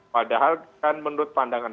padahal kan menurut pandangan